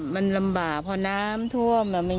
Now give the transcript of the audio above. มันลำบากพอน้ำท่วม